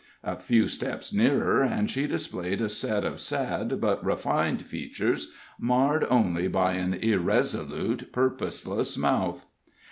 A few steps nearer, and she displayed a set of sad but refined features, marred only by an irresolute, purposeless mouth.